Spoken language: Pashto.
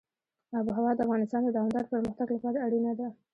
آب وهوا د افغانستان د دوامداره پرمختګ لپاره اړینه ده.